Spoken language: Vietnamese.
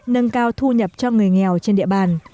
nâng cao thu nhập cho người nghèo trên địa bàn